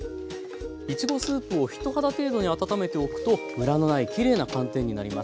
いちごスープを人肌程度に温めておくとムラのないきれいな寒天になります。